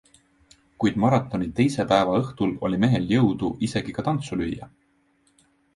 Kuid maratoni teise päeva õhtul oli mehel jõudu isegi ka tantsu lüüa!